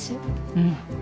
うん。